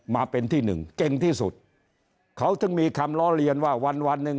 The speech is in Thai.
มาเป็นที่หนึ่งเก่งที่สุดเขาถึงมีคำล้อเลียนว่าวันวันหนึ่ง